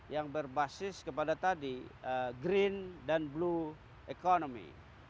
yang berbasis kepada tadi green dan blue economy